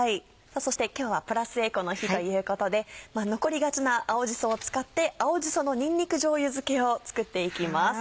そして今日はプラスエコの日ということで残りがちな青じそを使って「青じそのにんにくじょうゆ漬け」を作っていきます。